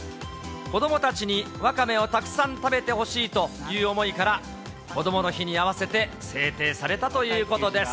子どもたちにわかめをたくさん食べてほしいという思いから、こどもの日に合わせて制定されたということです。